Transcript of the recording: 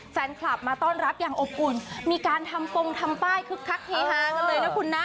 แฟนคลับมาต้อนรับอย่างอบอุ่นมีการทำฟงทำป้ายคึกคักเฮฮากันเลยนะคุณนะ